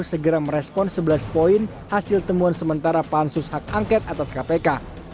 segera merespon sebelas poin hasil temuan sementara pansus hak angket atas kpk